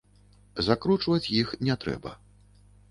Закручваць іх не трэба.